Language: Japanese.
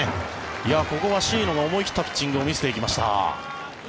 ここは椎野が思い切ったピッチングを見せていきました。